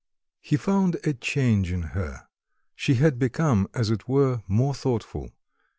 He found a change in her; she had become, as it were, more thoughtful.